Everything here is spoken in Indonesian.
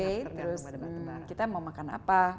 terus kita mau makan apa